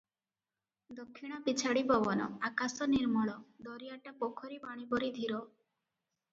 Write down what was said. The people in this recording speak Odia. ଦକ୍ଷିଣା ପିଛାଡ଼ି ପବନ- ଆକାଶ ନିର୍ମଳ- ଦରିଆଟା ପୋଖରୀ ପାଣି ପରି ଧୀର ।